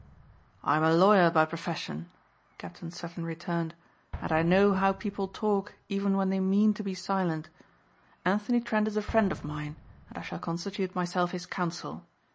"I'm a lawyer by profession," Captain Sutton returned, "and I know how people talk even when they mean to be silent. Anthony Trent is a friend of mine and I shall constitute myself his counsel.